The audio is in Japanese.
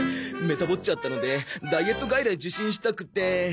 メタボっちゃったのでダイエット外来受診したくて。